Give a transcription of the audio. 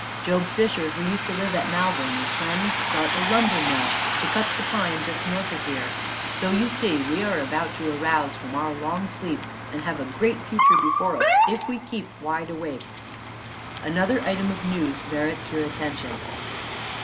Job Fisher, who used to live at Malvern, is planning to start a lumber mill, to cut the pine just north of here; so you see we are about to arouse from our long sleep and have a great future before us if we keep wide awake. Another item of news merits your attention.